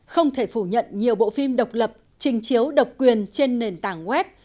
không thể phủ nhận nhiều bộ phim độc lập trình chiếu độc quyền trên nền tảng web